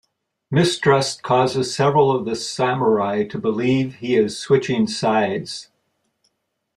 Mistrust causes several of the samurai to believe he is switching sides.